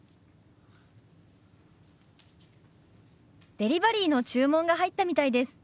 デリバリーの注文が入ったみたいです。